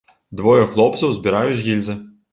Двое хлопцаў збіраюць гільзы.